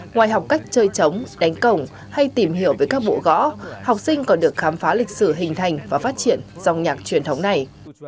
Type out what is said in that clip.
ngoài học cách chơi trống đánh cổng hay tìm hiểu về các bộ gõ học sinh còn được khám phá lịch sử hình thành và phát triển dòng nhạc truyền thống này